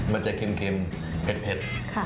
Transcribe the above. มันจะเค็มเผ็ด